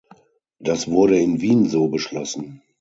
Das wurde in Wien so beschlossen.